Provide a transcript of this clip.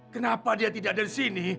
kenapa dia tidak ada di sini